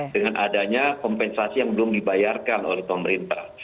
dengan adanya kompensasi yang belum dibayarkan oleh pemerintah